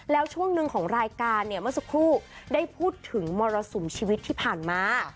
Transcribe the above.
แล้วช่วงหนึ่งของรายการเนี่ยเมื่อสักครู่ได้พูดถึงมรสุมชีวิตที่ผ่านมา